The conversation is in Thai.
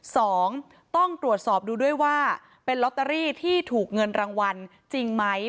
สองต้องตรวจสอบดูด้วยว่าเป็นลอตเตอรี่ที่ถูกเงินรางวัลจริงไหม